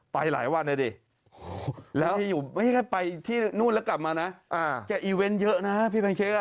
ไปหลายวันนะดิแล้วไม่ใช่ไปที่นู่นแล้วกลับมานะจะอีเวนต์เยอะนะพี่แพนเค้ก